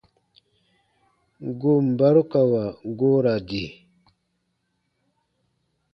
Goon barukawa goo ra di.